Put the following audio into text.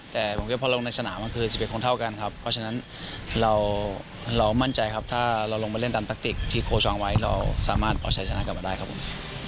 แต่ผมก็พอลงในสนามมันคือ๑๑คนเท่ากันครับเพราะฉะนั้นเรามั่นใจครับถ้าเราลงไปเล่นตามแทคติกที่โค้ชวางไว้เราสามารถเอาชัยชนะกลับมาได้ครับผม